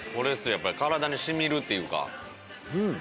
やっぱり体に染みるっていうか。